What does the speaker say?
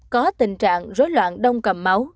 có tình trạng rối loạn đông cầm máu